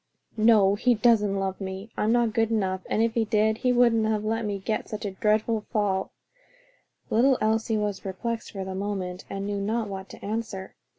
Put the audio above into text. "No, he doesn't love me! I'm not good enough; and if he did, he wouldn't have let me get such a dreadful fall." Little Elsie was perplexed for the moment, and knew not what to answer.